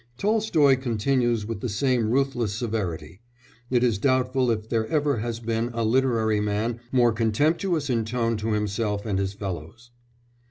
Tolstoy continues with the same ruthless severity; it is doubtful if there ever has been a literary man more contemptuous in tone to himself and his fellows.